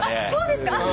そうですか。